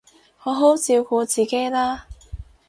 好好照顧自己啦